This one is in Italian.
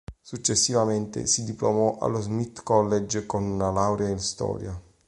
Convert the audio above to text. Successivamente si diplomò allo Smith College con una laurea in Storia.